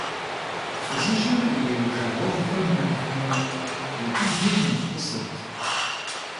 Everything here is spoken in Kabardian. Фызыжьыр и жагъуэгъухэм ебгмэ, и губжьыр нэхъ тӀысырт.